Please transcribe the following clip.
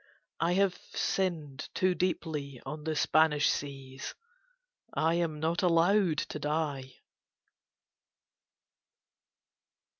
I have sinned too deeply on the Spanish seas: I am not allowed to die."